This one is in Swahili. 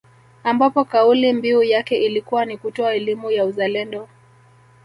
Ambapo kauli mbiu yake ilikuwa ni kutoa elimu ya uzalendo